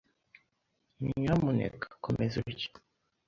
Nyamuneka komeza urye.